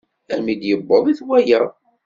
Armi d-yewweḍ i t-walaɣ.